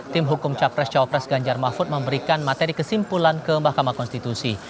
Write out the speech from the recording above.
tim hukum capres cawapres ganjar mahfud memberikan materi kesimpulan ke mahkamah konstitusi